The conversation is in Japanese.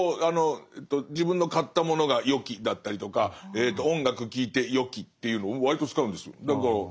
自分の買ったものが「よき」だったりとか音楽聴いて「よき」っていうの割と使うんですよ。